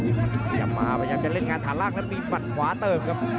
พยายามจะเล่นงานฐานล่างและมีปัดขวาเติมครับ